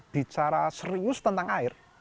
bicara serius tentang air